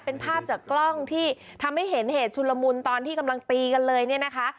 เป็นภาพจากกล้องที่ทำให้เห็นเหตุชุลมุนตอนที่กำลังตีกันเลยเนี่ยนะคะ